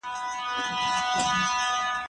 زه به سبزیجات جمع کړي وي